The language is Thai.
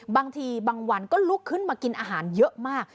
บางทีบางวันก็ลุกขึ้นมากินอาหารเยอะมาก